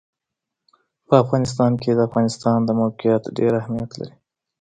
په افغانستان کې د افغانستان د موقعیت ډېر اهمیت لري.